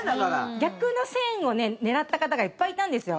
逆の線を狙った方がいっぱいいたんですよ。